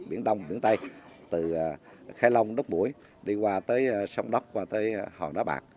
biển đông biển tây từ khai long đất mũi đi qua tới sông đốc qua tới hòn đá bạc